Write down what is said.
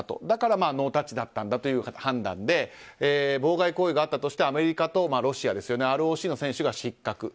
だからノータッチだったんだという判断で妨害行為があったとしてアメリカとロシア、ＲＯＣの選手が失格。